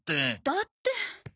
だって。